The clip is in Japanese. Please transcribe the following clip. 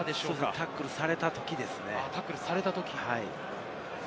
タックルされたときですね。